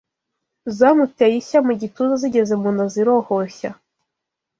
Zamuteye ishya mu gituza Zigeze mu nda zirohoshya